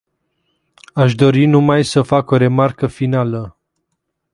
Aș dori numai să fac o remarcă finală.